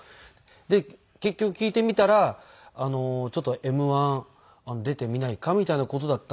で結局聞いてみたら「ちょっとＭ−１出てみないか」みたいな事だったので。